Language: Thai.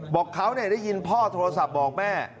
บอกเขาได้ยินพ่อโทรศัพท์บอกแม่